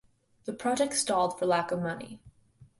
The project stalled for lack of money.